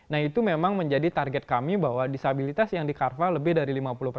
nah itu memang menjadi target kami bahwa disabilitas yang di carva lebih dari lima puluh persen